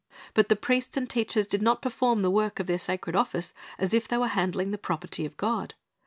But the priests and teachers did not perform the work of their sacred office as if they were handling the property of God.